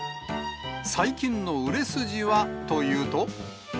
最近の売れ筋はというと。